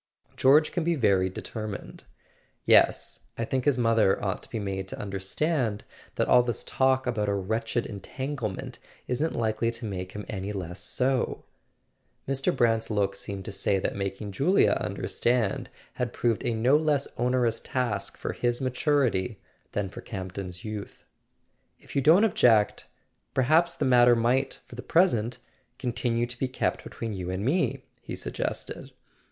" George can be very determined." " Yes. I think his mother ought to be made to under¬ stand that all this talk about a wretched entanglement isn't likely to make him any less so." [ 349 ] A SON AT THE FRONT Mr. Brant's look seemed to say that making Julia understand had proved a no less onerous task for his maturity than for Camp ton's youth. "If you don't object—perhaps the matter might, for the present, continue to be kept between you and me," he suggested.